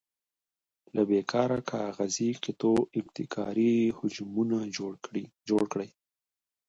له بې کاره کاغذي قطیو ابتکاري حجمونه جوړ کړئ.